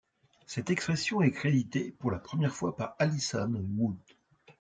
Cette expression est créditée pour la première fois par Alison Wood.